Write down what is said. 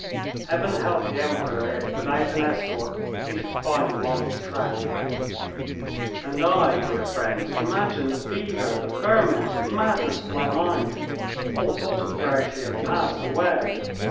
Heaven help the Emperor if, without an escort, he should find them on his track! And I, dear friends imagine the fever, the ferment, the madness of my mind! All thought of Grouchy had passed away.